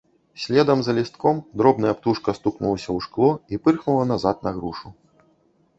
Следам за лістком дробная птушка стукнулася ў шкло і пырхнула назад на грушу.